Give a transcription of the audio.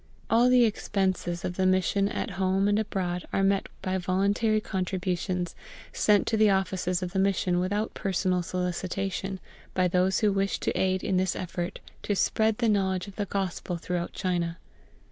All the expenses of the Mission at home and abroad are met by voluntary contributions, sent to the offices of the Mission without personal solicitation, by those who wish to aid in this effort to spread the knowledge of the Gospel throughout China.